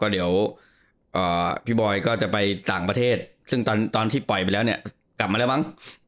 เดี๋ยวพี่บอยก็จะไปต่างประเทศซึ่งตอนที่ปล่อยไปแล้วเนี่ยกลับมาแล้วมั้ง